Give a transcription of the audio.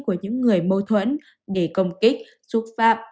của những người mâu thuẫn để công kích xúc phạm